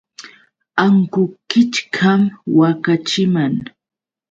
Ankukichkam waqaachiman.